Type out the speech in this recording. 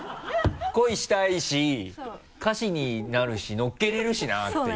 恋したいし歌詞になるし乗っけれるしなっていう感じだ？